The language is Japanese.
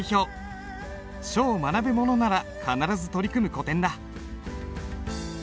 書を学ぶ者なら必ず取り組む古典だ。